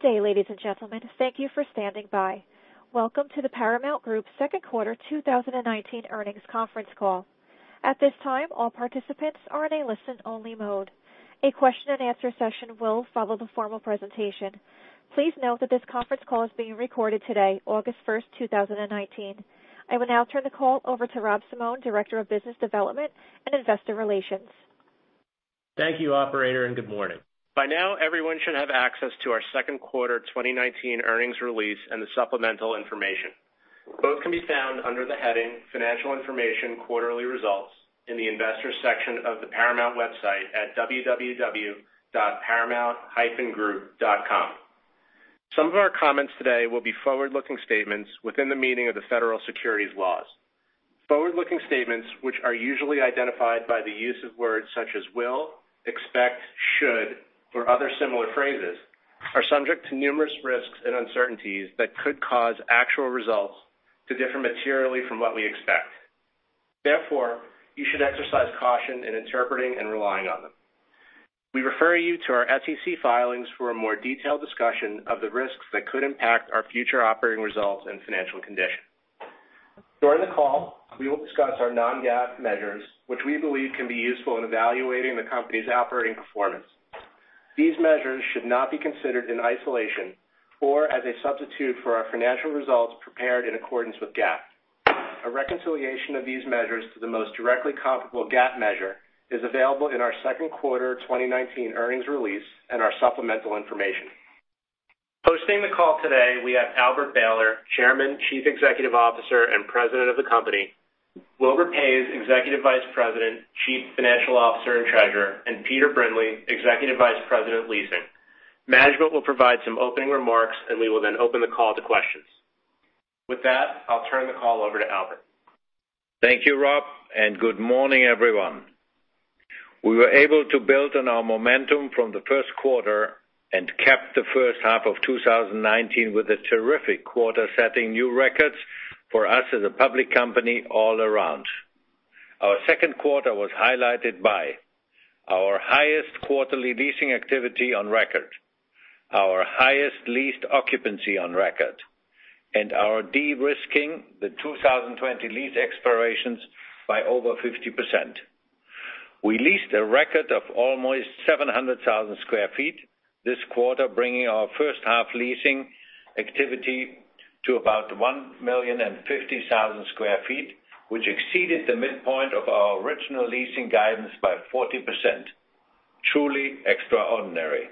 Good day, ladies and gentlemen. Thank you for standing by. Welcome to The Paramount Group second quarter 2019 earnings conference call. At this time, all participants are in a listen-only mode. A question and answer session will follow the formal presentation. Please note that this conference call is being recorded today, August 1, 2019. I will now turn the call over to Rob Simone, Director of Business Development and Investor Relations. Thank you, operator, and good morning. By now, everyone should have access to our second quarter 2019 earnings release and the supplemental information. Both can be found under the heading Financial Information Quarterly Results in the Investors section of the Paramount website at www.paramount-group.com. Some of our comments today will be forward-looking statements within the meaning of the Federal Securities laws. Forward-looking statements, which are usually identified by the use of words such as will, expect, should, or other similar phrases, are subject to numerous risks and uncertainties that could cause actual results to differ materially from what we expect. Therefore, you should exercise caution in interpreting and relying on them. We refer you to our SEC filings for a more detailed discussion of the risks that could impact our future operating results and financial condition. During the call, we will discuss our non-GAAP measures, which we believe can be useful in evaluating the company's operating performance. These measures should not be considered in isolation or as a substitute for our financial results prepared in accordance with GAAP. A reconciliation of these measures to the most directly comparable GAAP measure is available in our second quarter 2019 earnings release and our supplemental information. Hosting the call today, we have Albert Behler, Chairman, Chief Executive Officer, and President of the company, Wilbur Paes, Executive Vice President, Chief Financial Officer, and Treasurer, and Peter Brindley, Executive Vice President of Leasing. Management will provide some opening remarks, and we will then open the call to questions. With that, I'll turn the call over to Albert. Thank you, Rob. Good morning, everyone. We were able to build on our momentum from the first quarter and cap the first half of 2019 with a terrific quarter setting new records for us as a public company all around. Our second quarter was highlighted by our highest quarterly leasing activity on record, our highest leased occupancy on record, and our de-risking the 2020 lease expirations by over 50%. We leased a record of almost 700,000 sq ft this quarter, bringing our first half leasing activity to about 1,050,000 sq ft, which exceeded the midpoint of our original leasing guidance by 40%. Truly extraordinary.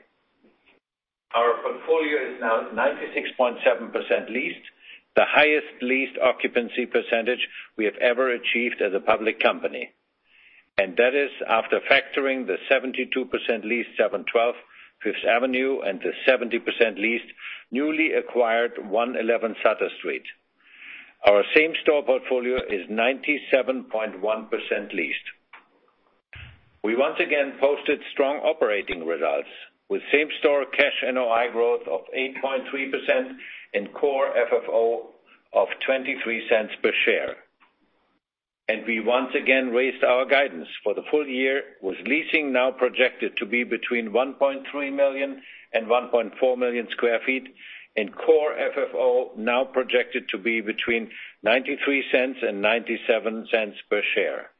Our portfolio is now 96.7% leased, the highest leased occupancy percentage we have ever achieved as a public company. That is after factoring the 72% leased 712 Fifth Avenue and the 70% leased newly acquired 111 Sutter Street. Our same store portfolio is 97.1% leased. We once again posted strong operating results with Same-Store Cash NOI growth of 8.3% and Core FFO of $0.23 per share. We once again raised our guidance for the full year, with leasing now projected to be between 1.3 million and 1.4 million square feet, and Core FFO now projected to be between $0.93 and $0.97 per share.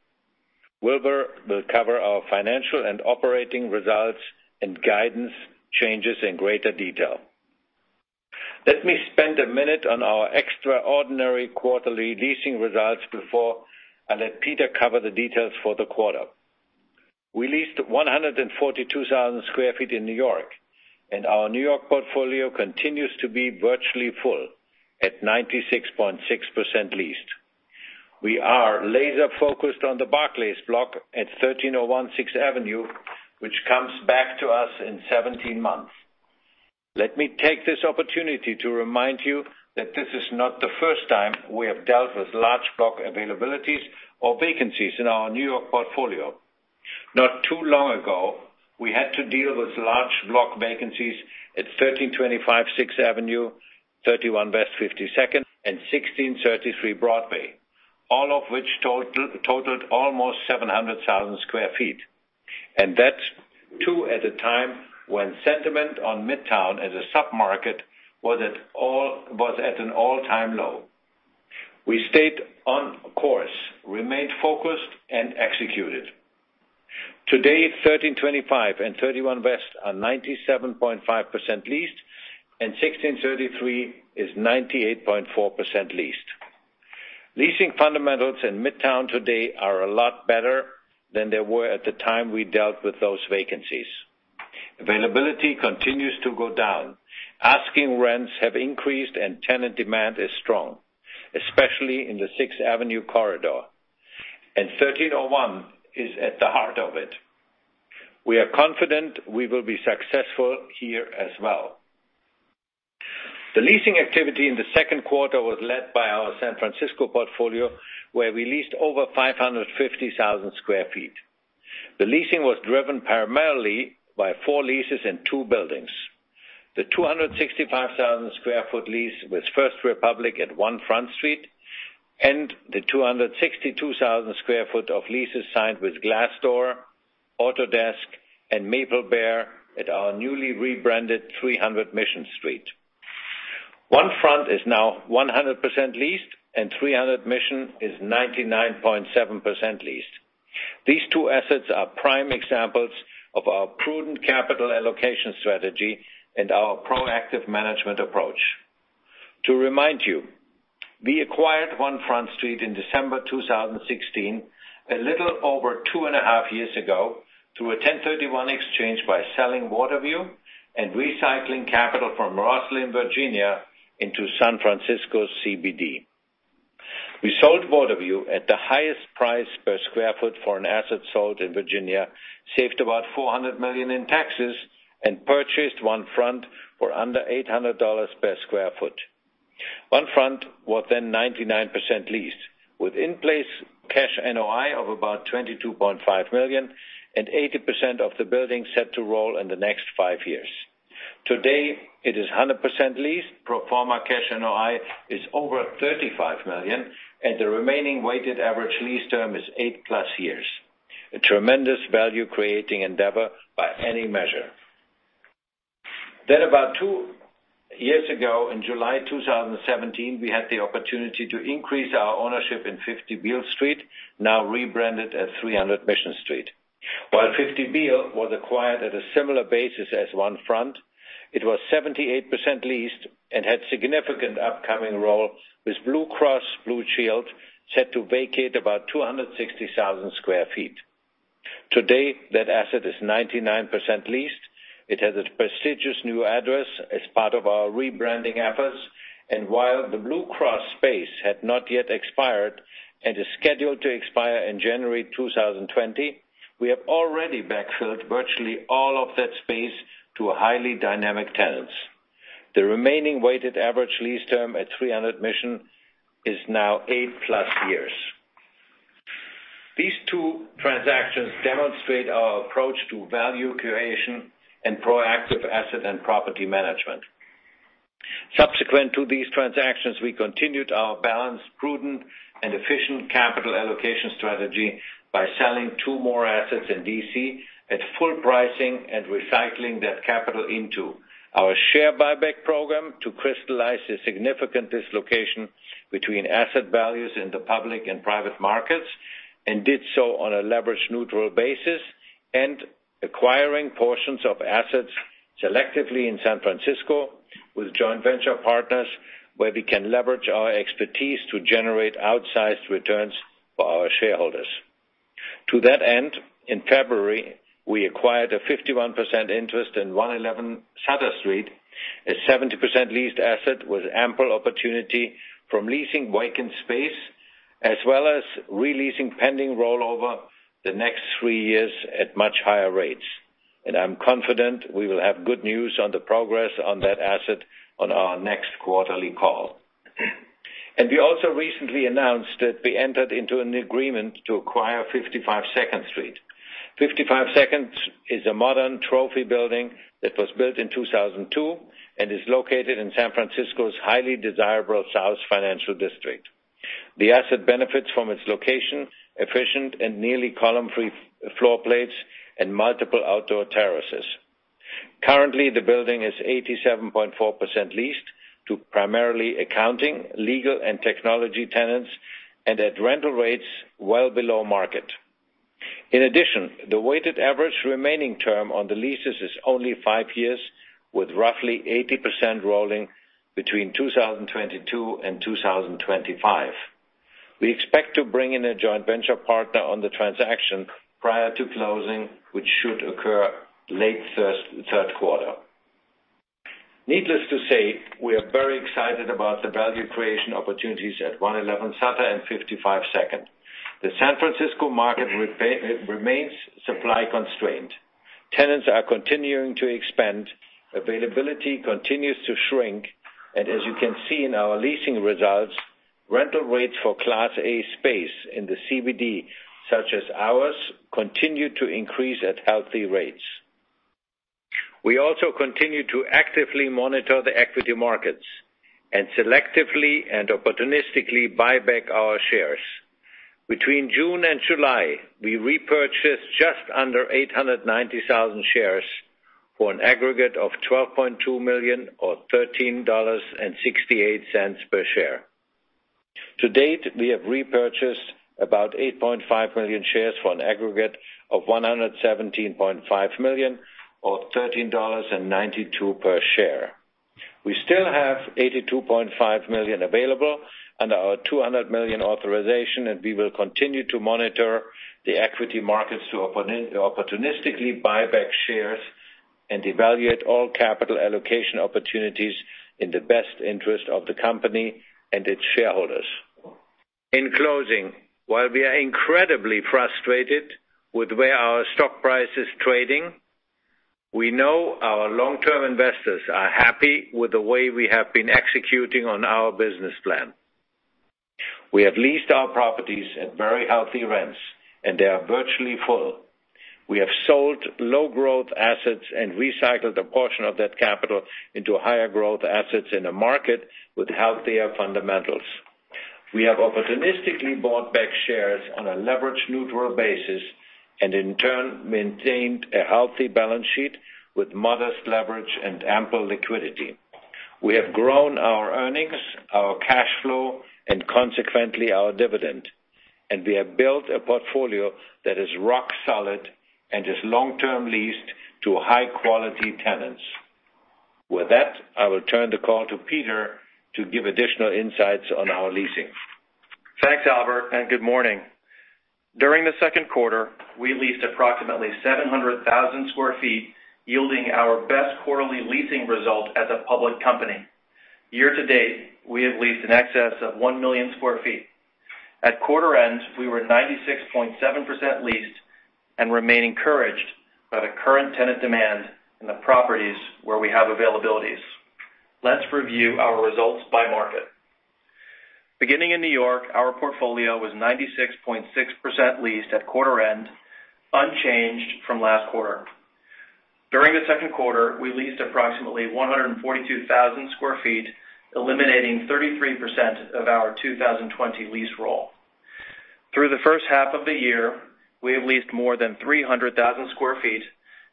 Wilbur will cover our financial and operating results and guidance changes in greater detail. Let me spend a minute on our extraordinary quarterly leasing results before I let Peter cover the details for the quarter. We leased 142,000 sq ft in New York, and our New York portfolio continues to be virtually full at 96.6% leased. We are laser focused on the Barclays block at 1301 Sixth Avenue, which comes back to us in 17 months. Let me take this opportunity to remind you that this is not the first time we have dealt with large block availabilities or vacancies in our New York portfolio. Not too long ago, we had to deal with large block vacancies at 1325 Sixth Avenue, 31 West 52nd, and 1633 Broadway, all of which totaled almost 700,000 sq ft. That's too at a time when sentiment on Midtown as a sub-market was at an all-time low. We stayed on course, remained focused, and executed. Today, 1325 and 31 West are 97.5% leased, and 1633 is 98.4% leased. Leasing fundamentals in Midtown today are a lot better than they were at the time we dealt with those vacancies. Availability continues to go down. Asking rents have increased, and tenant demand is strong, especially in the Sixth Avenue corridor, and 1301 is at the heart of it. We are confident we will be successful here as well. The leasing activity in the second quarter was led by our San Francisco portfolio, where we leased over 550,000 sq ft. The leasing was driven primarily by four leases in two buildings. The 265,000 sq ft lease with First Republic at One Front Street and the 262,000 sq ft of leases signed with Glassdoor, Autodesk, and Maplebear Inc. at our newly rebranded 300 Mission Street. One Front is now 100% leased, and 300 Mission is 99.7% leased. These two assets are prime examples of our prudent capital allocation strategy and our proactive management approach. To remind you, we acquired One Front Street in December 2016, a little over two and a half years ago, through a 1031 exchange by selling Waterview and recycling capital from Rosslyn, Virginia into San Francisco's CBD. We sold Waterview at the highest price per square foot for an asset sold in Virginia, saved about $400 million in taxes, and purchased One Front for under $800 per square foot. One Front was 99% leased with in-place cash NOI of about $22.5 million and 80% of the building set to roll in the next five years. Today, it is 100% leased. Pro forma cash NOI is over $35 million, the remaining weighted average lease term is 8+ years. A tremendous value-creating endeavor by any measure. About two years ago, in July 2017, we had the opportunity to increase our ownership in 50 Beale Street, now rebranded as 300 Mission Street. While 50 Beale was acquired at a similar basis as One Front, it was 78% leased and had significant upcoming roll, with Blue Cross Blue Shield set to vacate about 260,000 sq ft. Today, that asset is 99% leased. It has a prestigious new address as part of our rebranding efforts. While the Blue Cross space had not yet expired and is scheduled to expire in January 2020, we have already backfilled virtually all of that space to highly dynamic tenants. The remaining weighted average lease term at 300 Mission is now 8+ years. These two transactions demonstrate our approach to value creation and proactive asset and property management. Subsequent to these transactions, we continued our balanced, prudent, and efficient capital allocation strategy by selling two more assets in D.C. at full pricing and recycling that capital into our share buyback program to crystallize the significant dislocation between asset values in the public and private markets, and did so on a leverage-neutral basis, and acquiring portions of assets selectively in San Francisco with joint venture partners, where we can leverage our expertise to generate outsized returns for our shareholders. To that end, in February, we acquired a 51% interest in 111 Sutter Street, a 70% leased asset with ample opportunity from leasing vacant space as well as re-leasing pending rollover the next three years at much higher rates. I'm confident we will have good news on the progress on that asset on our next quarterly call. We also recently announced that we entered into an agreement to acquire 55 Second Street. 55 Second is a modern trophy building that was built in 2002 and is located in San Francisco's highly desirable South Financial District. The asset benefits from its location, efficient and nearly column-free floor plates, and multiple outdoor terraces. Currently, the building is 87.4% leased to primarily accounting, legal, and technology tenants, and at rental rates well below market. In addition, the weighted average remaining term on the leases is only five years, with roughly 80% rolling between 2022 and 2025. We expect to bring in a joint venture partner on the transaction prior to closing, which should occur late third quarter. Needless to say, we are very excited about the value creation opportunities at 111 Sutter and 55 Second. The San Francisco market remains supply-constrained. Tenants are continuing to expand, availability continues to shrink, and as you can see in our leasing results, rental rates for Class A space in the CBD such as ours continue to increase at healthy rates. We also continue to actively monitor the equity markets and selectively and opportunistically buy back our shares. Between June and July, we repurchased just under 890,000 shares for an aggregate of $12.2 million or $13.68 per share. To date, we have repurchased about 8.5 million shares for an aggregate of $117.5 million or $13.92 per share. We still have $82.5 million available under our $200 million authorization, and we will continue to monitor the equity markets to opportunistically buy back shares and evaluate all capital allocation opportunities in the best interest of the company and its shareholders. In closing, while we are incredibly frustrated with the way our stock price is trading, we know our long-term investors are happy with the way we have been executing on our business plan. We have leased our properties at very healthy rents, and they are virtually full. We have sold low growth assets and recycled a portion of that capital into higher growth assets in a market with healthier fundamentals. We have opportunistically bought back shares on a leverage-neutral basis and in turn maintained a healthy balance sheet with modest leverage and ample liquidity. We have grown our earnings, our cash flow, and consequently, our dividend. We have built a portfolio that is rock solid and is long-term leased to high-quality tenants. With that, I will turn the call to Peter to give additional insights on our leasing. Thanks, Albert, and good morning. During the second quarter, we leased approximately 700,000 sq ft, yielding our best quarterly leasing result as a public company. Year-to-date, we have leased in excess of 1 million sq ft. At quarter end, we were 96.7% leased and remain encouraged by the current tenant demand in the properties where we have availabilities. Let's review our results by market. Beginning in New York, our portfolio was 96.6% leased at quarter end, unchanged from last quarter. During the second quarter, we leased approximately 142,000 sq ft, eliminating 33% of our 2020 lease roll. Through the first half of the year, we have leased more than 300,000 sq ft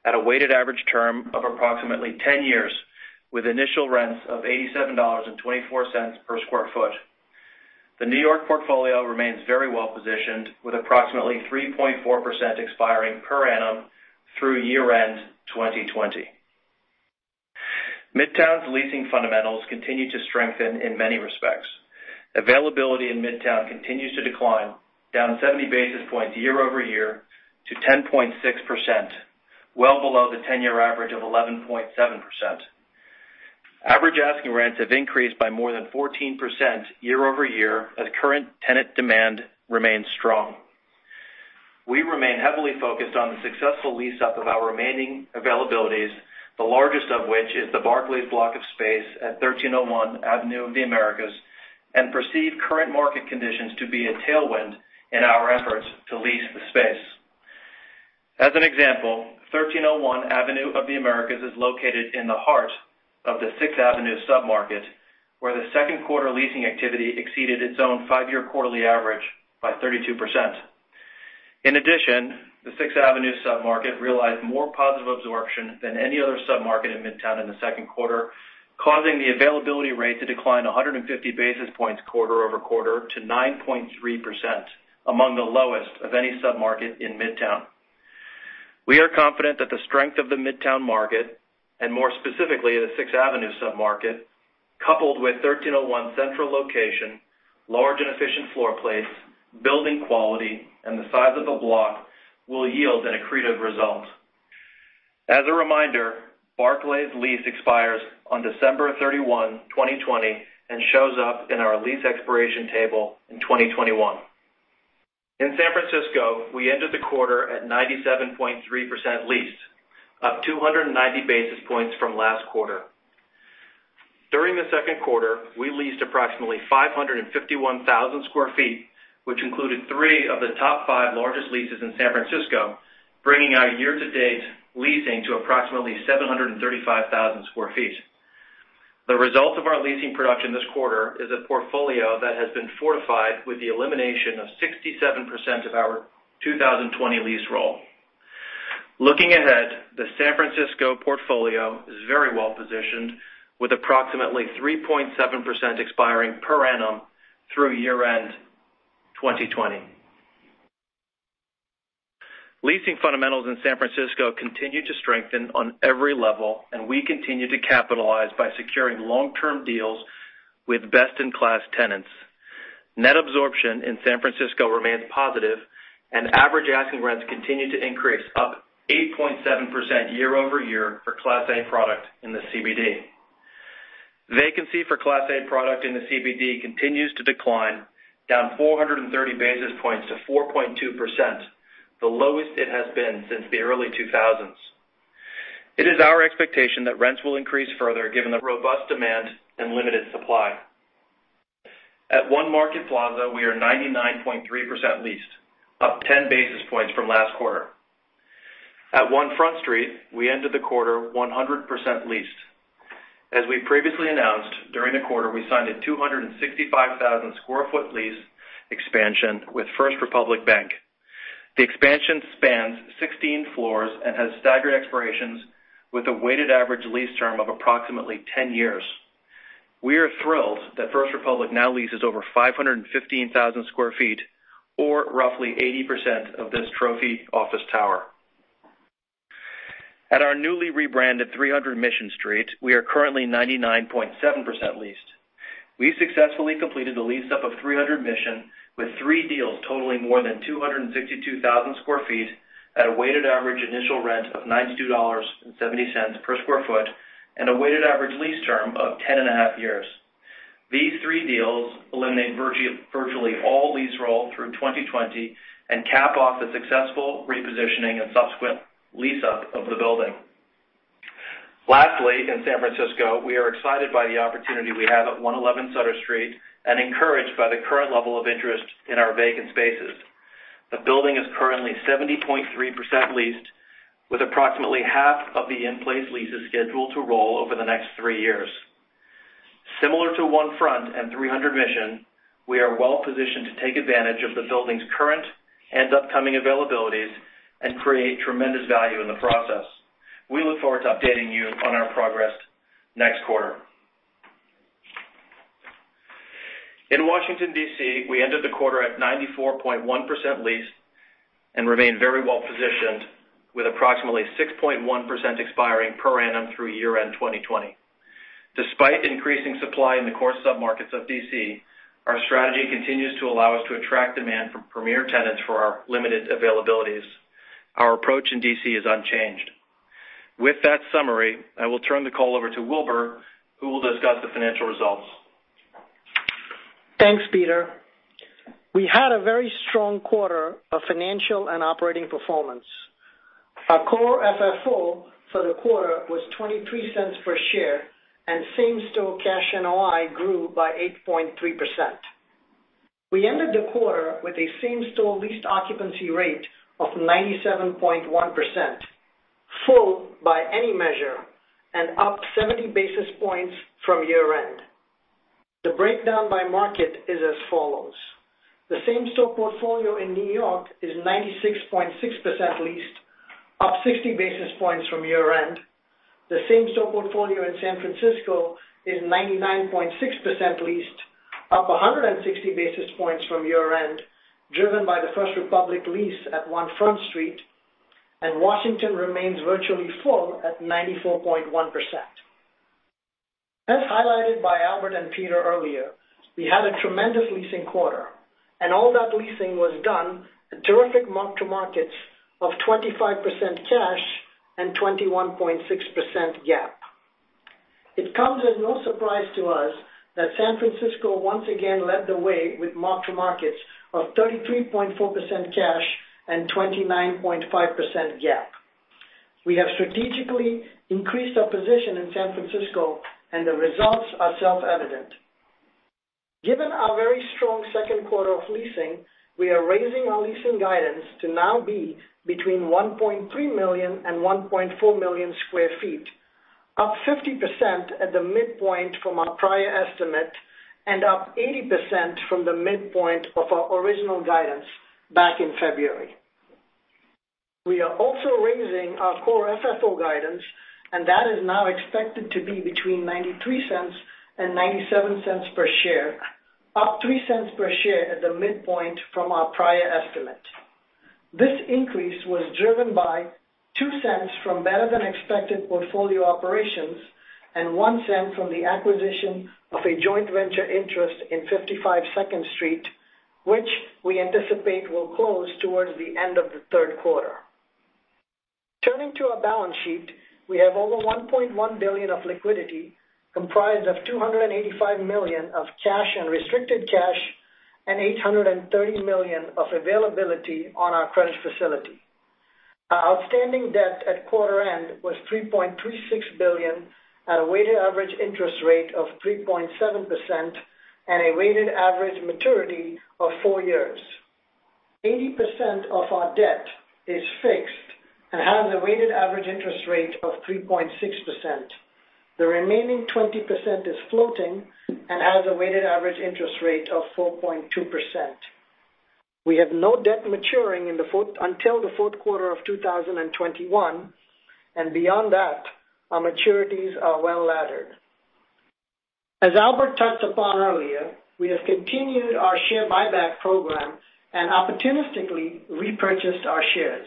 at a weighted average term of approximately 10 years, with initial rents of $87.24 per sq ft. The New York portfolio remains very well-positioned, with approximately 3.4% expiring per annum through year-end 2020. Midtown's leasing fundamentals continue to strengthen in many respects. Availability in Midtown continues to decline, down 70 basis points year-over-year to 10.6%, well below the 10-year average of 11.7%. Average asking rents have increased by more than 14% year-over-year as current tenant demand remains strong. We remain heavily focused on the successful lease up of our remaining availabilities, the largest of which is the Barclays block of space at 1301 Avenue of the Americas, and perceive current market conditions to be a tailwind in our efforts to lease the space. As an example, 1301 Avenue of the Americas is located in the heart of the Sixth Avenue submarket, where the second quarter leasing activity exceeded its own five-year quarterly average by 32%. In addition, the Sixth Avenue submarket realized more positive absorption than any other submarket in Midtown in the second quarter, causing the availability rate to decline 150 basis points quarter-over-quarter to 9.3%, among the lowest of any submarket in Midtown. We are confident that the strength of the Midtown market, and more specifically the Sixth Avenue submarket, coupled with 1301's central location, large and efficient floor plates, building quality, and the size of the block, will yield an accretive result. As a reminder, Barclays' lease expires on December 31, 2020, and shows up in our lease expiration table in 2021. In San Francisco, we ended the quarter at 97.3% leased, up 290 basis points from last quarter. During the second quarter, we leased approximately 551,000 sq ft, which included three of the top five largest leases in San Francisco, bringing our year-to-date leasing to approximately 735,000 sq ft. The result of our leasing production this quarter is a portfolio that has been fortified with the elimination of 67% of our 2020 lease roll. Looking ahead, the San Francisco portfolio is very well positioned, with approximately 3.7% expiring per annum through year-end 2020. Leasing fundamentals in San Francisco continue to strengthen on every level, and we continue to capitalize by securing long-term deals with best-in-Class A tenants. Net absorption in San Francisco remains positive and average asking rents continue to increase, up 8.7% year-over-year for Class A product in the CBD. Vacancy for Class A product in the CBD continues to decline, down 430 basis points to 4.2%, the lowest it has been since the early 2000s. It is our expectation that rents will increase further given the robust demand and limited supply. At One Market Plaza, we are 99.3% leased, up 10 basis points from last quarter. At One Front Street, we ended the quarter 100% leased. As we previously announced, during the quarter, we signed a 265,000 sq ft lease expansion with First Republic Bank. The expansion spans 16 floors and has staggered expirations with a weighted average lease term of approximately 10 years. We are thrilled that First Republic now leases over 515,000 sq ft or roughly 80% of this trophy office tower. At our newly rebranded 300 Mission Street, we are currently 99.7% leased. We successfully completed the lease up of 300 Mission with three deals totaling more than 262,000 sq ft at a weighted average initial rent of $92.70 per sq ft and a weighted average lease term of 10 and a half years. These three deals eliminate virtually all lease roll through 2020 and cap off the successful repositioning and subsequent lease up of the building. Lastly, in San Francisco, we are excited by the opportunity we have at 111 Sutter Street and encouraged by the current level of interest in our vacant spaces. The building is currently 70.3% leased, with approximately half of the in-place leases scheduled to roll over the next three years. Similar to One Front and 300 Mission, we are well-positioned to take advantage of the building's current and upcoming availabilities and create tremendous value in the process. We look forward to updating you on our progress next quarter. In Washington, D.C., we ended the quarter at 94.1% leased and remain very well-positioned, with approximately 6.1% expiring per annum through year-end 2020. Despite increasing supply in the core submarkets of D.C., our strategy continues to allow us to attract demand from premier tenants for our limited availabilities. Our approach in D.C. is unchanged. With that summary, I will turn the call over to Wilbur, who will discuss the financial results. Thanks, Peter. We had a very strong quarter of financial and operating performance. Our Core FFO for the quarter was $0.23 per share, and Same-Store Cash NOI grew by 8.3%. We ended the quarter with a same-store leased occupancy rate of 97.1%, full by any measure, and up 70 basis points from year-end. The breakdown by market is as follows. The same-store portfolio in New York is 96.6% leased, up 60 basis points from year-end. The same-store portfolio in San Francisco is 99.6% leased, up 160 basis points from year-end, driven by the First Republic lease at One Front Street. Washington remains virtually full at 94.1%. As highlighted by Albert and Peter earlier, we had a tremendous leasing quarter, and all that leasing was done at terrific mark-to-markets of 25% cash and 21.6% GAAP. It comes as no surprise to us that San Francisco once again led the way with mark-to-markets of 33.4% cash and 29.5% GAAP. We have strategically increased our position in San Francisco, and the results are self-evident. Given our very strong second quarter of leasing, we are raising our leasing guidance to now be between 1.3 million and 1.4 million square feet, up 50% at the midpoint from our prior estimate and up 80% from the midpoint of our original guidance back in February. We are also raising our Core FFO guidance, and that is now expected to be between $0.93 and $0.97 per share, up $0.03 per share at the midpoint from our prior estimate. This increase was driven by $0.02 from better-than-expected portfolio operations and $0.01 from the acquisition of a joint venture interest in 55 Second Street, which we anticipate will close towards the end of the third quarter. Turning to our balance sheet, we have over $1.1 billion of liquidity, comprised of $285 million of cash and restricted cash and $830 million of availability on our credit facility. Our outstanding debt at quarter-end was $3.36 billion at a weighted average interest rate of 3.7% and a weighted average maturity of four years. 80% of our debt is fixed and has a weighted average interest rate of 3.6%. The remaining 20% is floating and has a weighted average interest rate of 4.2%. We have no debt maturing until the fourth quarter of 2021. Beyond that, our maturities are well-laddered. As Albert touched upon earlier, we have continued our share buyback program and opportunistically repurchased our shares.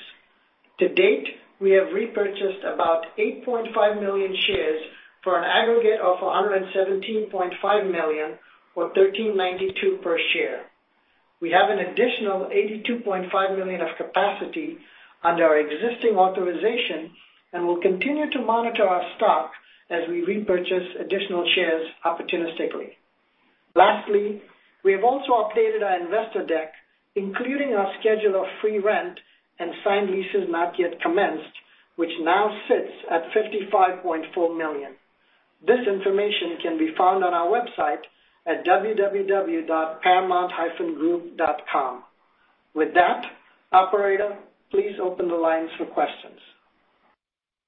To date, we have repurchased about 8.5 million shares for an aggregate of $117.5 million, or $13.92 per share. We have an additional $82.5 million of capacity under our existing authorization and will continue to monitor our stock as we repurchase additional shares opportunistically. Lastly, we have also updated our investor deck, including our schedule of free rent and signed leases not yet commenced, which now sits at $55.4 million. This information can be found on our website at www.paramount-group.com. With that, operator, please open the lines for questions.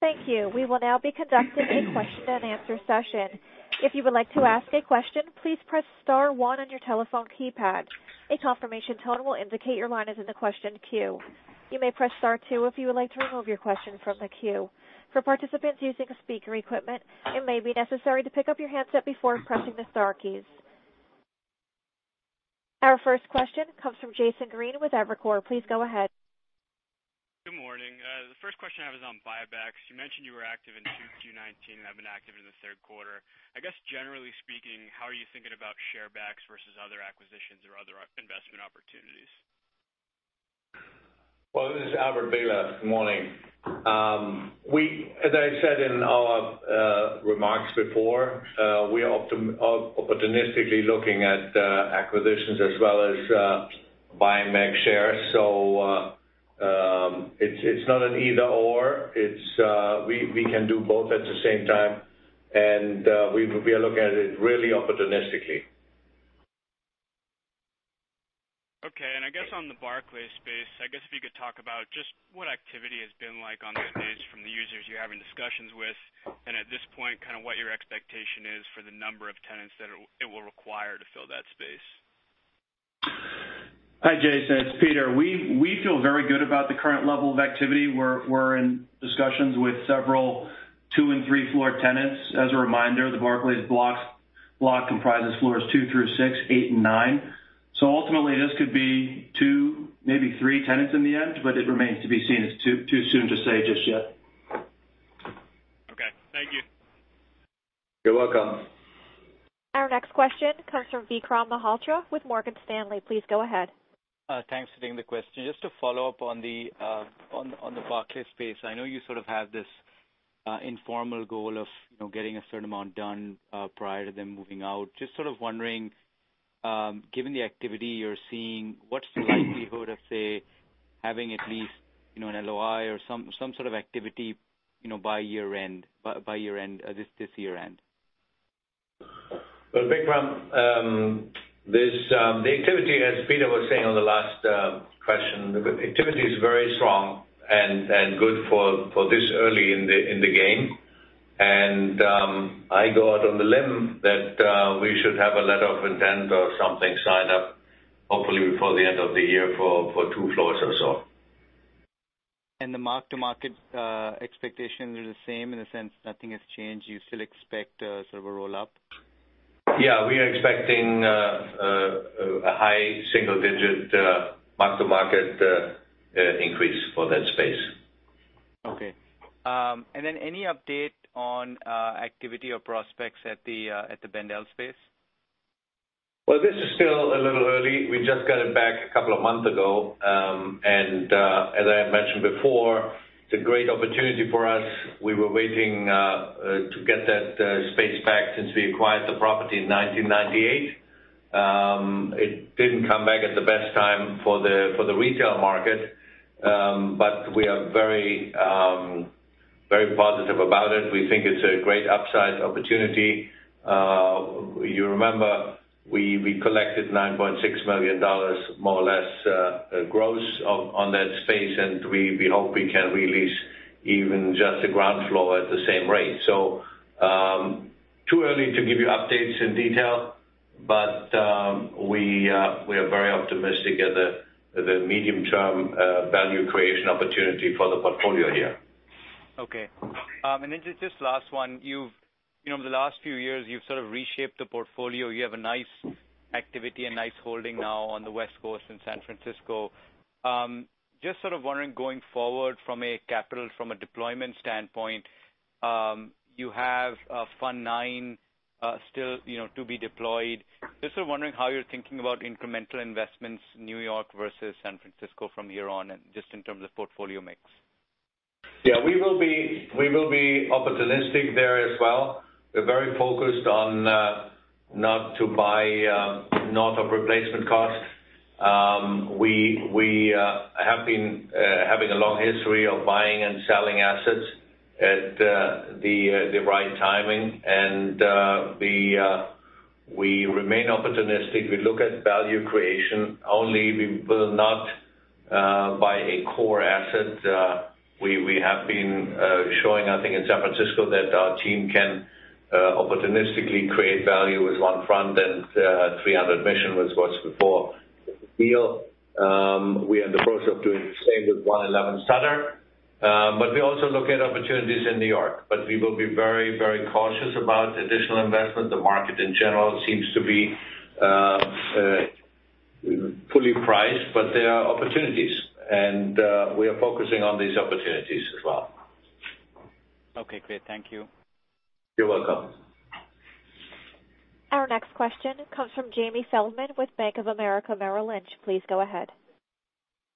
Thank you. We will now be conducting a question and answer session. If you would like to ask a question, please press star one on your telephone keypad. A confirmation tone will indicate your line is in the question queue. You may press star two if you would like to remove your question from the queue. For participants using speaker equipment, it may be necessary to pick up your handset before pressing the star keys. Our first question comes from Jason Green with Evercore. Please go ahead. Good morning. The first question I have is on buybacks. You mentioned you were active in 2019 and have been active in the third quarter. I guess generally speaking, how are you thinking about share backs versus other acquisitions or other investment opportunities? Well, this is Albert Behler. Good morning. As I said in our remarks before, we are opportunistically looking at acquisitions as well as buying back shares. It's not an either/or. We can do both at the same time, and we are looking at it really opportunistically. Okay. I guess on the Barclays space, I guess if you could talk about just what activity has been like on that space from the users you're having discussions with. At this point, what your expectation is for the number of tenants that it will require to fill that space. Hi, Jason. It's Peter. We feel very good about the current level of activity. We're in discussions with several two and three-floor tenants. As a reminder, the Barclays block comprises floors two through six, eight and nine. Ultimately this could be two, maybe three tenants in the end, but it remains to be seen. It's too soon to say just yet. Okay. Thank you. You're welcome. Our next question comes from Vikram Malhotra with Morgan Stanley. Please go ahead. Thanks for taking the question. Just to follow up on the Barclays space. I know you sort of have this informal goal of getting a certain amount done, prior to them moving out. Just sort of wondering, given the activity you're seeing, what's the likelihood of, say, having at least an LOI or some sort of activity by this year end? Well, Vikram, the activity, as Peter was saying on the last question, the activity is very strong and good for this early in the game. I go out on the limb that we should have a letter of intent or something signed up, hopefully before the end of the year for two floors or so. The mark-to-market expectations are the same in the sense nothing has changed. You still expect sort of a roll-up? Yeah. We are expecting a high single-digit mark-to-market increase for that space. Okay. Any update on activity or prospects at the Bendel space? Well, this is still a little early. We just got it back a couple of months ago. As I had mentioned before, it's a great opportunity for us. We were waiting to get that space back since we acquired the property in 1998. It didn't come back at the best time for the retail market. We are very positive about it. We think it's a great upside opportunity. You remember, we collected $9.6 million, more or less, gross on that space, and we hope we can re-lease even just the ground floor at the same rate. Too early to give you updates in detail. We are very optimistic at the medium-term value creation opportunity for the portfolio here. Okay. Just last one. Over the last few years, you've sort of reshaped the portfolio. You have a nice activity and nice holding now on the West Coast in San Francisco. Just sort of wondering going forward from a capital, from a deployment standpoint, you have Fund IX still to be deployed. Just sort of wondering how you're thinking about incremental investments, New York versus San Francisco from here on and just in terms of portfolio mix. Yeah, we will be opportunistic there as well. We're very focused on not to buy north of replacement cost. We have been having a long history of buying and selling assets at the right timing and we remain opportunistic. We look at value creation. Only we will not buy a core asset. We have been showing, I think in San Francisco, that our team can opportunistically create value with One Front and 300 Mission, which was before the deal. We are in the process of doing the same with 111 Sutter. We also look at opportunities in New York, but we will be very cautious about additional investment. The market in general seems to be fully priced, but there are opportunities and we are focusing on these opportunities as well. Okay, great. Thank you. You're welcome. Our next question comes from Jamie Feldman with Bank of America Merrill Lynch. Please go ahead.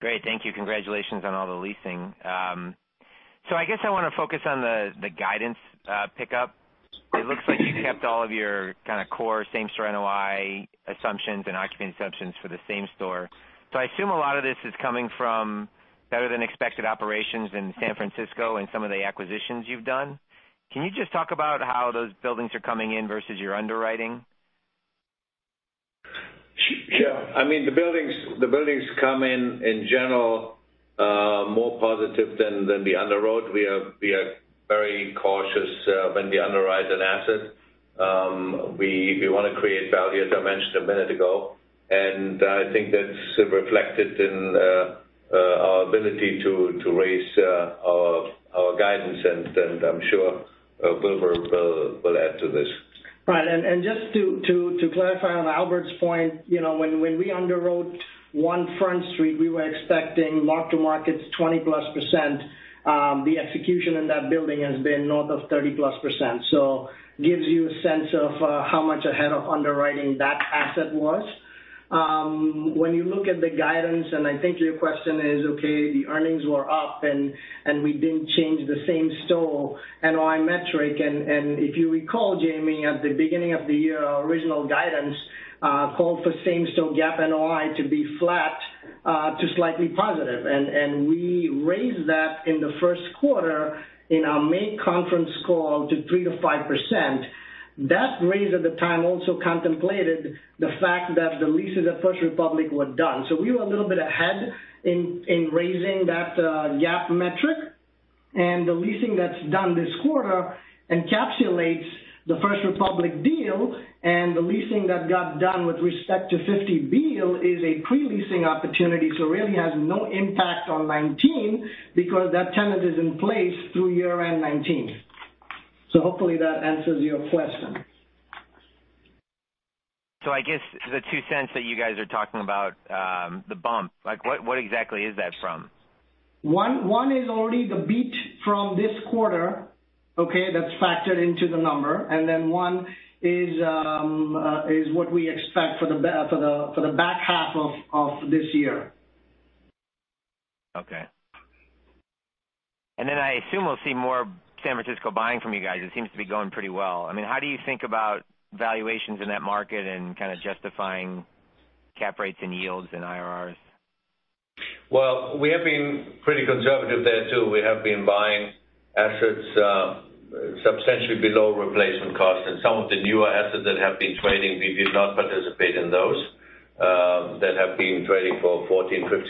Great. Thank you. Congratulations on all the leasing. I guess I want to focus on the guidance pickup. It looks like you kept all of your kind of core same-store NOI assumptions and occupancy assumptions for the same store. I assume a lot of this is coming from better than expected operations in San Francisco and some of the acquisitions you've done. Can you just talk about how those buildings are coming in versus your underwriting? Sure. The buildings come in general, more positive than the underwrote. We are very cautious when we underwrite an asset. We want to create value, as I mentioned a minute ago. I think that's reflected in our ability to raise our guidance and I'm sure Wilbur Paes will add to this. Right. Just to clarify on Albert's point, when we underwrote One Front Street, we were expecting mark-to-markets 20%+. The execution in that building has been north of 30%+. Gives you a sense of how much ahead of underwriting that asset was. When you look at the guidance, I think your question is, okay, the earnings were up, we didn't change the Same-Store NOI metric. If you recall, Jamie, at the beginning of the year, our original guidance called for Same-Store GAAP NOI to be flat To slightly positive. We raised that in the first quarter in our May conference call to 3%-5%. That raise at the time also contemplated the fact that the leases at First Republic were done. We were a little bit ahead in raising that GAAP metric, and the leasing that's done this quarter encapsulates the First Republic deal, and the leasing that got done with respect to 50 Beale is a pre-leasing opportunity, so really has no impact on 2019, because that tenant is in place through year-end 2019. Hopefully that answers your question. I guess the $0.02 that you guys are talking about, the bump, what exactly is that from? One is already the beat from this quarter, okay. That's factored into the number. One is what we expect for the back half of this year. Okay. I assume we'll see more San Francisco buying from you guys. It seems to be going pretty well. How do you think about valuations in that market and kind of justifying cap rates and yields and IRRs? Well, we have been pretty conservative there, too. We have been buying assets substantially below replacement cost. Some of the newer assets that have been trading, we did not participate in those, that have been trading for $1,400, $1,500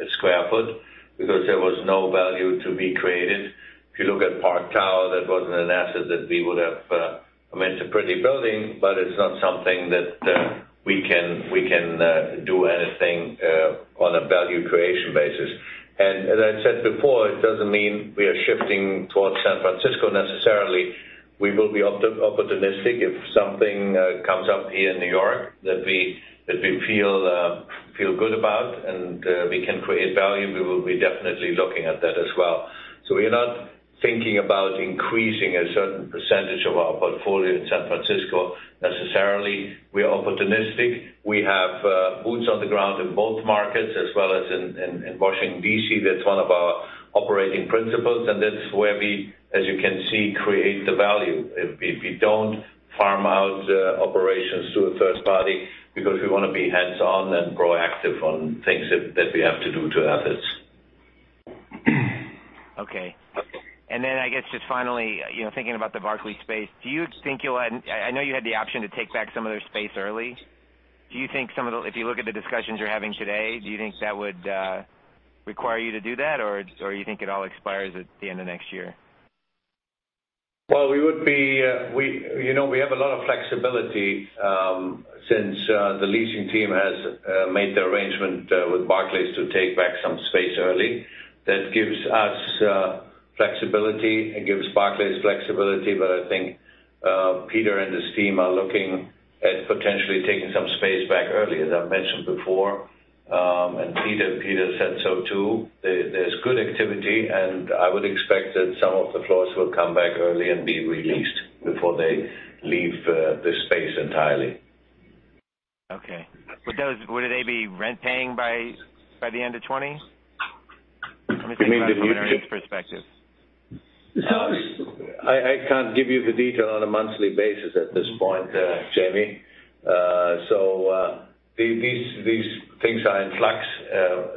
a sq ft, because there was no value to be created. If you look at Park Tower, that wasn't an asset that we would have I mean, it's a pretty building, but it's not something that we can do anything on a value creation basis. As I said before, it doesn't mean we are shifting towards San Francisco necessarily. We will be opportunistic if something comes up here in New York that we feel good about and we can create value. We will be definitely looking at that as well. We are not thinking about increasing a certain percentage of our portfolio in San Francisco necessarily. We are opportunistic. We have boots on the ground in both markets as well as in Washington, D.C. That's one of our operating principles, and that's where we, as you can see, create the value. We don't farm out operations to a third party because we want to be hands-on and proactive on things that we have to do to assets. Okay. I guess just finally, thinking about the Barclays space, I know you had the option to take back some of their space early. If you look at the discussions you're having today, do you think that would require you to do that, or you think it all expires at the end of next year? Well, we have a lot of flexibility since the leasing team has made the arrangement with Barclays to take back some space early. That gives us flexibility. It gives Barclays flexibility. I think Peter and his team are looking at potentially taking some space back early, as I've mentioned before. Peter said so, too. There's good activity, and I would expect that some of the floors will come back early and be re-leased before they leave the space entirely. Okay. Would they be rent paying by the end of 2020? Let me think about it from an earnings perspective. I can't give you the detail on a monthly basis at this point, Jamie. These things are in flux.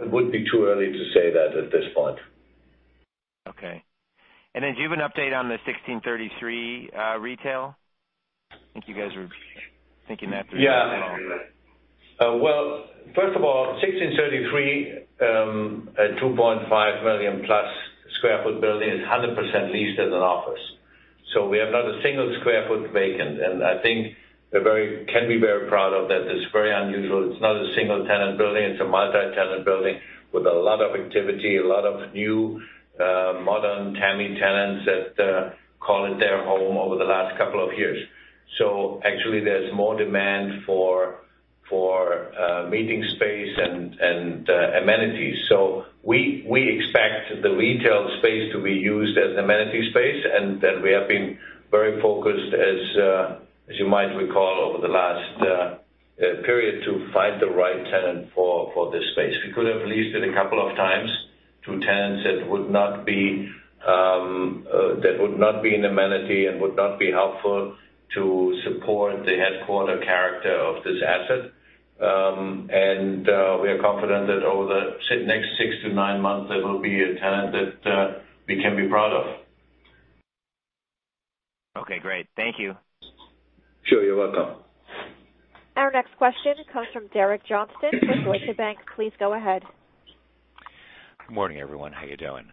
It would be too early to say that at this point. Okay. Do you have an update on the 1633 retail? I think you guys were thinking that through as well. Yeah. Well, first of all, 1633, a 2.5 million-plus square foot building, is 100% leased as an office. We have not a single square foot vacant, and I think we can be very proud of that. It's very unusual. It's not a single-tenant building. It's a multi-tenant building with a lot of activity, a lot of new, modern TAMI tenants that call it their home over the last couple of years. Actually, there's more demand for meeting space and amenities. We expect the retail space to be used as amenity space, we have been very focused, as you might recall, over the last period to find the right tenant for this space. We could have leased it a couple of times to tenants that would not be an amenity and would not be helpful to support the headquarter character of this asset. We are confident that over the next six to nine months, there will be a tenant that we can be proud of. Okay, great. Thank you. Sure. You're welcome. Our next question comes from Derek Johnston with Deutsche Bank. Please go ahead. Good morning, everyone. How you doing?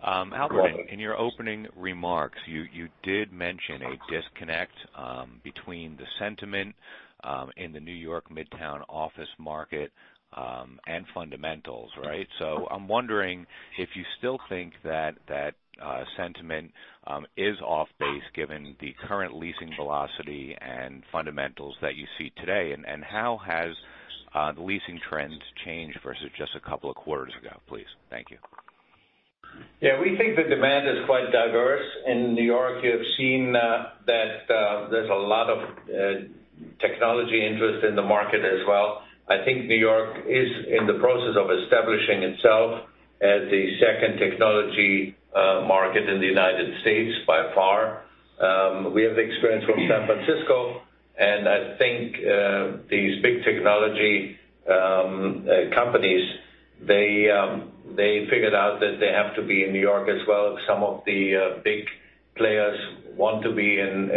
Good morning. Albert, in your opening remarks, you did mention a disconnect between the sentiment in the New York Midtown office market, and fundamentals, right? I'm wondering if you still think that sentiment is off base given the current leasing velocity and fundamentals that you see today. How has the leasing trends changed versus just a couple of quarters ago, please? Thank you. Yeah, we think the demand is quite diverse in New York. You have seen that there's a lot of technology interest in the market as well. I think New York is in the process of establishing itself as the second technology market in the U.S. by far. We have the experience from San Francisco, and I think these big technology companies, they figured out that they have to be in New York as well. Some of the big players want to be in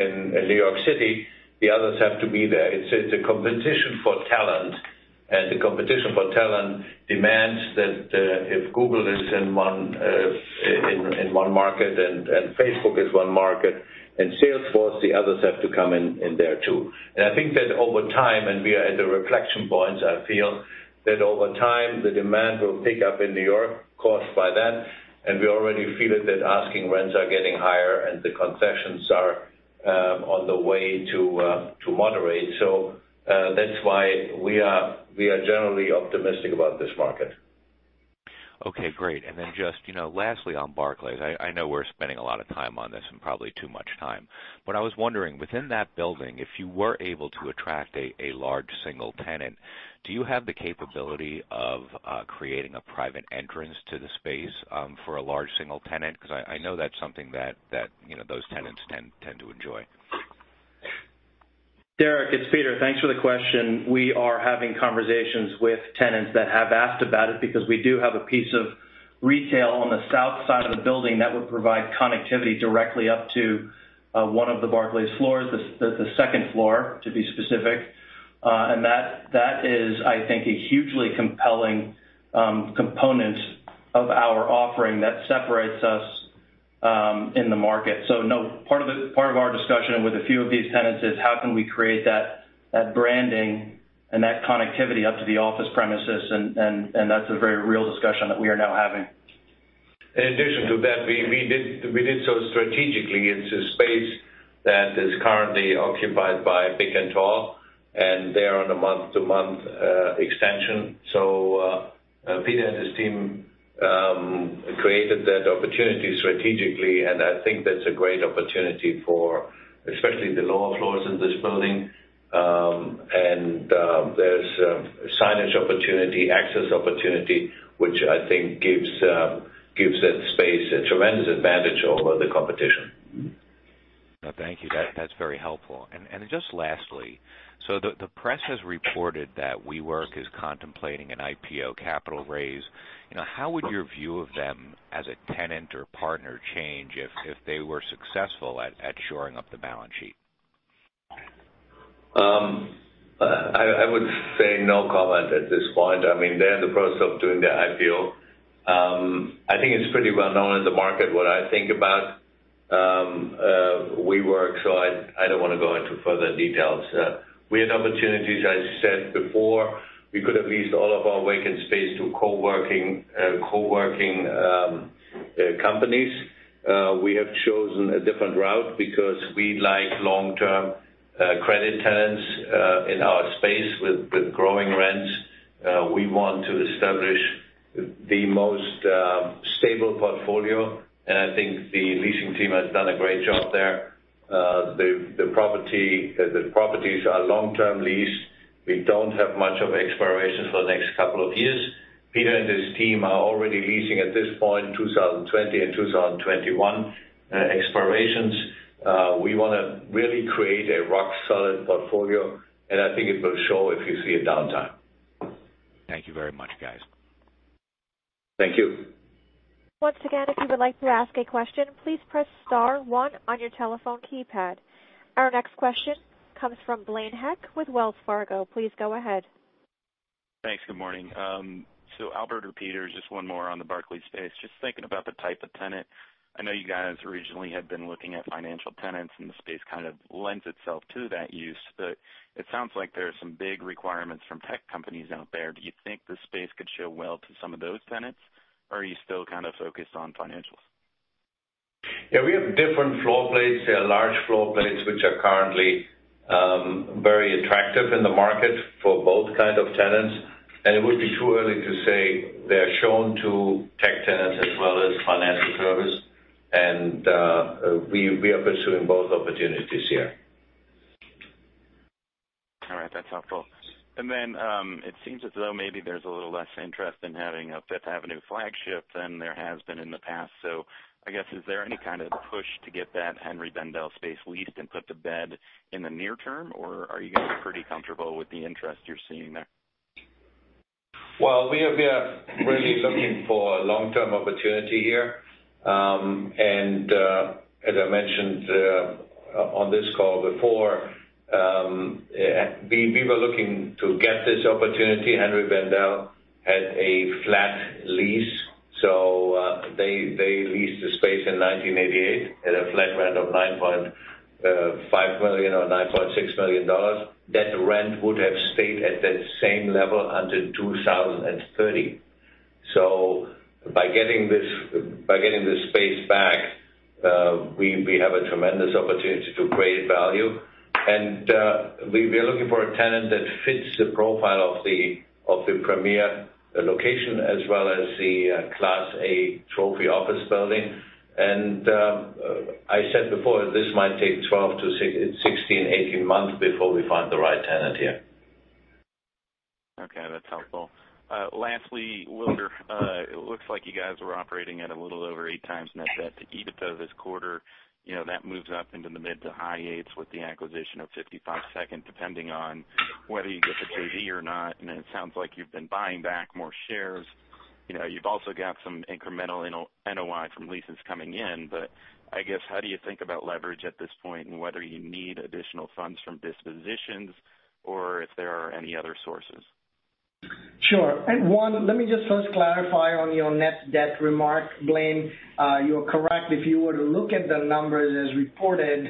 New York City. The others have to be there. It's a competition for talent. The competition for talent demands that if Google is in one market, and Facebook is one market, and Salesforce, the others have to come in there too. I think that over time, and we are at a reflection point, I feel that over time, the demand will pick up in New York caused by that. We already feel it, that asking rents are getting higher, and the concessions are on the way to moderate. That's why we are generally optimistic about this market. Okay, great. Just lastly on Barclays. I know we're spending a lot of time on this and probably too much time. I was wondering, within that building, if you were able to attract a large single tenant, do you have the capability of creating a private entrance to the space for a large single tenant? I know that's something that those tenants tend to enjoy. Derek, it's Peter. Thanks for the question. We are having conversations with tenants that have asked about it, because we do have a piece of retail on the south side of the building that would provide connectivity directly up to one of the Barclays floors, the second floor, to be specific. That is, I think, a hugely compelling component of our offering that separates us in the market. No, part of our discussion with a few of these tenants is how can we create that branding and that connectivity up to the office premises, and that's a very real discussion that we are now having. In addition to that, we did so strategically. It's a space that is currently occupied by Big + Tall, and they're on a month-to-month extension. Peter and his team created that opportunity strategically, and I think that's a great opportunity for especially the lower floors in this building. There's signage opportunity, access opportunity, which I think gives that space a tremendous advantage over the competition. No, thank you. That's very helpful. Just lastly, the press has reported that WeWork is contemplating an IPO capital raise. How would your view of them as a tenant or partner change if they were successful at shoring up the balance sheet? I would say no comment at this point. They're in the process of doing the IPO. I think it's pretty well known in the market what I think about WeWork, I don't want to go into further details. We had opportunities, I said before, we could have leased all of our vacant space to co-working companies. We have chosen a different route because we like long-term credit tenants in our space with growing rents. We want to establish the most stable portfolio, I think the leasing team has done a great job there. The properties are long-term leased. We don't have much of expiration for the next couple of years. Peter and his team are already leasing, at this point, 2020 and 2021 expirations. We want to really create a rock-solid portfolio, I think it will show if you see a downtime. Thank you very much, guys. Thank you. Once again, if you would like to ask a question, please press star one on your telephone keypad. Our next question comes from Blaine Heck with Wells Fargo. Please go ahead. Thanks. Good morning. Albert or Peter, just one more on the Barclays space. Just thinking about the type of tenant, I know you guys originally had been looking at financial tenants, and the space kind of lends itself to that use, but it sounds like there are some big requirements from tech companies out there. Do you think the space could show well to some of those tenants, or are you still kind of focused on financials? Yeah, we have different floor plates. There are large floor plates, which are currently very attractive in the market for both kind of tenants, and it would be too early to say they are shown to tech tenants as well as financial service. We are pursuing both opportunities here. All right, that's helpful. It seems as though maybe there's a little less interest in having a Fifth Avenue flagship than there has been in the past. Is there any kind of push to get that Henri Bendel space leased and put to bed in the near term, or are you guys pretty comfortable with the interest you're seeing there? Well, we are really looking for a long-term opportunity here. As I mentioned on this call before, we were looking to get this opportunity. Henri Bendel had a flat lease, so they leased the space in 1988 at a flat rent of $9.5 million or $9.6 million. That rent would have stayed at that same level until 2030. By getting this space back, we have a tremendous opportunity to create value. We are looking for a tenant that fits the profile of the premier location as well as the Class A trophy office building. I said before, this might take 12 to 16, 18 months before we find the right tenant here. Okay, that's helpful. Lastly, Wilbur, it looks like you guys were operating at a little over eight times net debt to EBITDA this quarter. That moves up into the mid to high eights with the acquisition of 55 Second, depending on whether you get the JV or not, and it sounds like you've been buying back more shares. You've also got some incremental NOI from leases coming in, but I guess, how do you think about leverage at this point, and whether you need additional funds from dispositions or if there are any other sources? Sure. One, let me just first clarify on your net debt remark, Blaine. You're correct. If you were to look at the numbers as reported,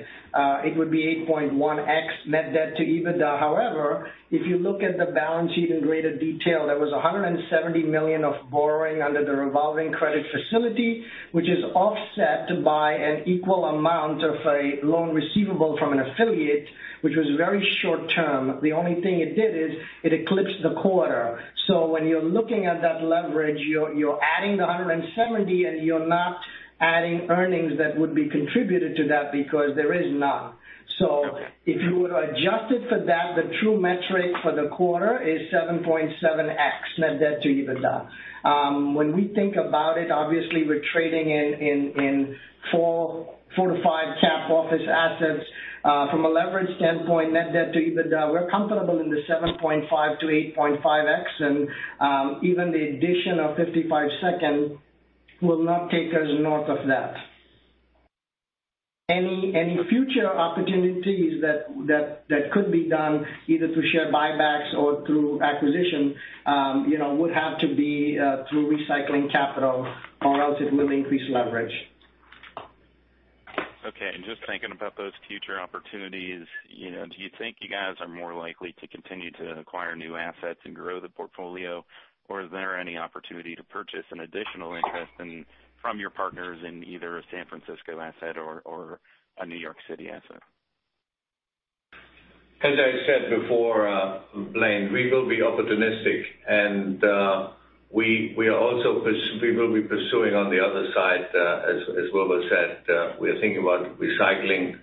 it would be 8.1x net debt to EBITDA. If you look at the balance sheet in greater detail, there was $170 million of borrowing under the revolving credit facility, which is offset by an equal amount of a loan receivable from an affiliate, which was very short term. The only thing it did is it eclipsed the quarter. When you're looking at that leverage, you're adding the $170 and you're not adding earnings that would be contributed to that because there is none. If you were to adjust it for that, the true metric for the quarter is 7.7x net debt to EBITDA. When we think about it, obviously, we're trading in four to five cap office assets. From a leverage standpoint, net debt to EBITDA, we're comfortable in the 7.5x-8.5x, and even the addition of 55 Second will not take us north of that. Any future opportunities that could be done, either through share buybacks or through acquisition, would have to be through recycling capital or else it will increase leverage. Okay. Just thinking about those future opportunities, do you think you guys are more likely to continue to acquire new assets and grow the portfolio, or is there any opportunity to purchase an additional interest from your partners in either a San Francisco asset or a New York City asset? As I said before, Blaine, we will be opportunistic, and we will be pursuing on the other side. As Wilbur said, we are thinking about recycling,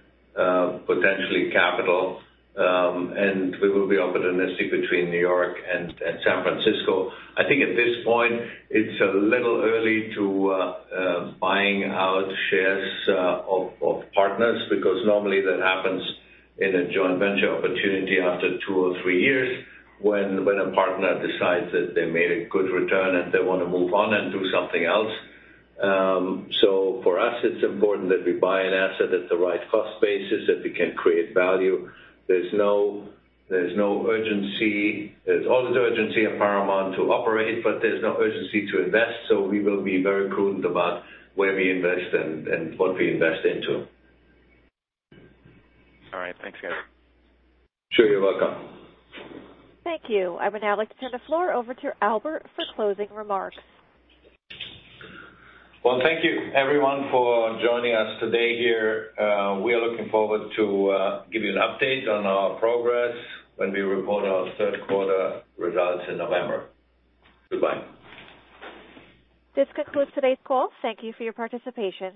potentially capital. We will be opportunistic between New York and San Francisco. I think at this point, it's a little early to buying out shares of partners, because normally that happens in a joint venture opportunity after two or three years when a partner decides that they made a good return and they want to move on and do something else. For us, it's important that we buy an asset at the right cost basis, that we can create value. There's always urgency at Paramount to operate, but there's no urgency to invest. We will be very prudent about where we invest and what we invest into. All right, thanks, guys. Sure. You're welcome. Thank you. I would now like to turn the floor over to Albert for closing remarks. Well, thank you everyone for joining us today here. We are looking forward to giving you an update on our progress when we report our third quarter results in November. Goodbye. This concludes today's call. Thank you for your participation.